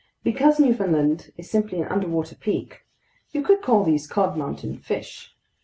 Because Newfoundland is simply an underwater peak, you could call these cod mountain fish.